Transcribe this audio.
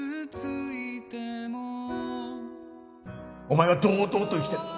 お前は堂々と生きてる。